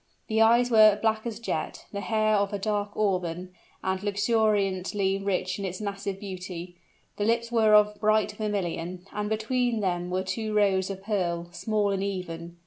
The eyes were black as jet, the hair of a dark auburn, and luxuriantly rich in its massive beauty; the lips were of bright vermilion, and between them were two rows of pearl, small and even.